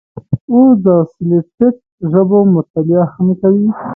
اوس د سلټیک ژبو مطالعه هم کوي.